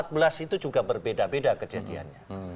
dan jenis empat belas itu juga berbeda beda kejadiannya